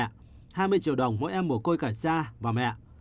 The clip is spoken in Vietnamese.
hai mươi triệu đồng mỗi em mổ côi cả cha và mẹ